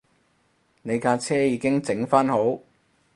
你架車已經整番好